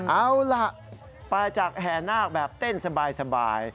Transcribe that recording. เอาล่ะไปจากแห่นาคแบบเต้นสบาย